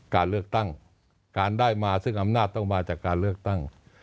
การเลือกตั้งการได้มาซึ่งอำนาจต้องมาจากการเลือกตั้ง